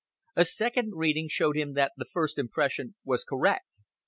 A second reading showed him that his first impression was correct.